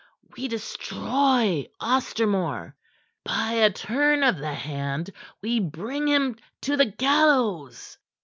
We destroy Ostermore. By a turn of the hand we bring him to the gallows."